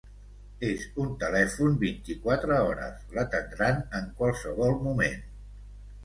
És un telèfon vint-i-quatre hores, l'atendran en qualsevol moment.